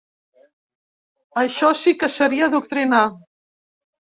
Això sí que seria adoctrinar.